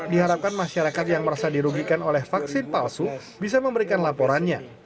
diharapkan masyarakat yang merasa dirugikan oleh vaksin palsu bisa memberikan laporannya